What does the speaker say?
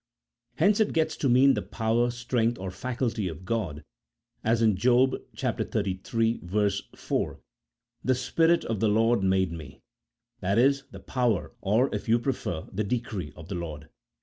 Hence it gets to mean the power, strength, or faculty of God, as in Job xxxiii. 4, " The Spirit of the Lord made me," i.e. the power, or, if you prefer, the decree of the Lord.